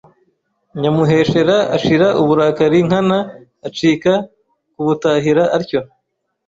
Nyamuheshera ashira uburakari Nkana acika kubutahira atyo,